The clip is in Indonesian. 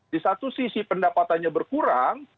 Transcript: di satu sisi pendapatannya berkurang